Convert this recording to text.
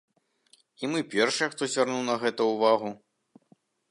І мы першыя, хто звярнуў на гэта ўвагу.